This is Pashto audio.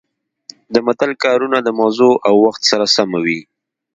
د متل کارونه د موضوع او وخت سره سمه وي